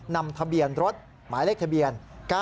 นำทะเบียนรถหมายเลขทะเบียน๙๙